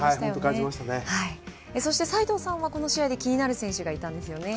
そして斎藤さんは、この試合で気になる選手がいたんですよね。